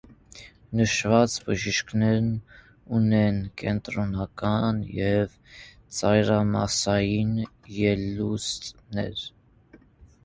Նշված բջիջներն ունեն կենտրոնական և ծայրամասային ելուստներ։